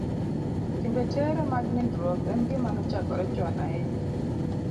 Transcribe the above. Timbe tero mag nindruok en gima nochakore chon ahinya.